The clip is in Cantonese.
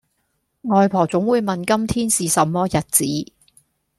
外婆總會問今天是什麼日子？